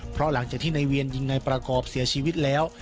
เพราะหลังจากที่นายเวียนยิงนายประกอบเสียชีวิตแล้ว